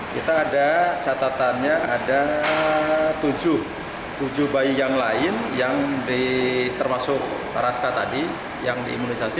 kita ada catatannya ada tujuh bayi yang lain yang termasuk raska tadi yang diimunisasi